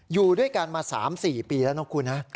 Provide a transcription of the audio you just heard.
อยู่ด้วยกันมา๓๔ปีแล้วนะคุณฮะ